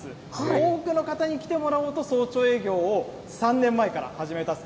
多くの方に来てもらおうと、早朝営業を３年前から始めたと。